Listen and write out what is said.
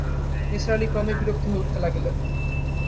নিসার আলি ক্রমেই বিরক্ত হয়ে উঠতে লাগলেন।